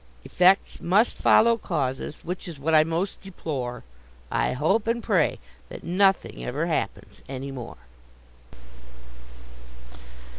Effects must follow causes which is what I most deplore; I hope and pray that nothing ever happens any more.